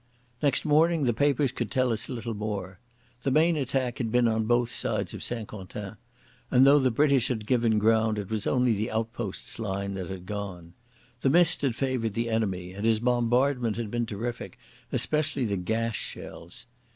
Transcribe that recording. Next morning the papers could tell us little more. The main attack had been on both sides of St Quentin, and though the British had given ground it was only the outposts line that had gone. The mist had favoured the enemy, and his bombardment had been terrific, especially the gas shells.